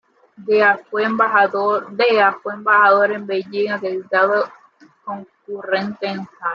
De a fue embajador en Beijing, acreditado concurrente en Hanoi.